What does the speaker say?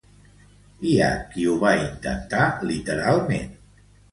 Hi ha qui ho va intentar literalment.